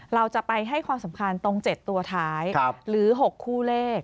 เราจะไปให้ความสำคัญตรง๗ตัวท้ายหรือ๖คู่เลข